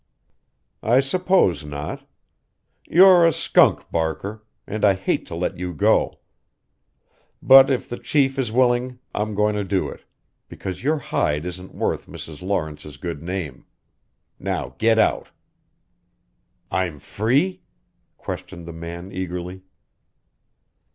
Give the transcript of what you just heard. "I suppose not. You're a skunk, Barker and I hate to let you go. But if the Chief is willing I'm going to do it because your hide isn't worth Mrs. Lawrence's good name. Now get out!" "I'm free?" questioned the man eagerly.